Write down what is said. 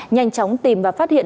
nhanh chóng tìm và phát hiện